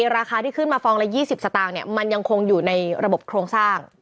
ราคาที่ขึ้นมาฟองละ๒๐สตางค์มันยังคงอยู่ในระบบโครงสร้าง